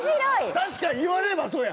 確かに言われればそうや。